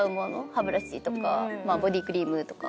歯ブラシとかボディークリームとか。